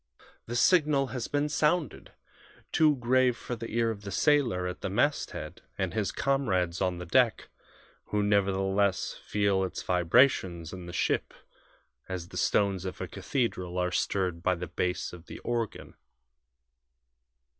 The signal has been sounded too grave for the ear of the sailor at the masthead and his comrades on the deck who nevertheless feel its vibrations in the ship as the stones of a cathedral are stirred by the bass of the organ.